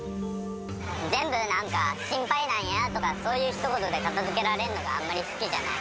全部なんか、心配なんやとか、そういうひと言で片づけられるのがあまり好きじゃない。